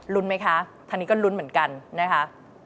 ไหมคะทางนี้ก็ลุ้นเหมือนกันนะคะ